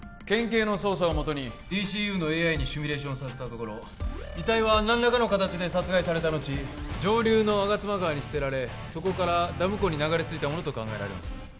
県警の捜査をもとにＤＣＵのＡＩにシミュレーションさせたところ遺体は何らかの形で殺害されたのち上流の吾妻川に捨てられそこからダム湖に流れ着いたものと考えられます